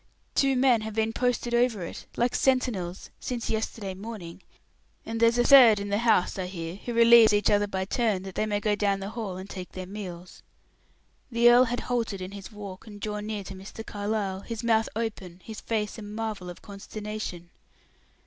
"Two men have been posted over it, like sentinels, since yesterday morning. And there's a third in the house, I hear, who relieves each other by turn, that they may go down in the hall and take their meals." The earl had halted in his walk and drawn near to Mr. Carlyle, his mouth open, his face a marvel of consternation.